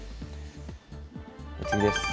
次です。